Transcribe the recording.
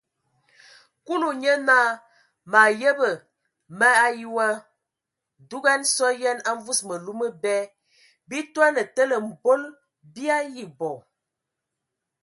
Kulu nye naa : mǝ ayəbǝ! mǝ ayi wa dugan sɔ yen a mvus mǝlu mǝbɛ, bii toane tele mbol bii ayi bɔ.